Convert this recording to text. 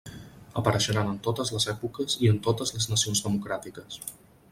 Apareixeran en totes les èpoques i en totes les nacions democràtiques.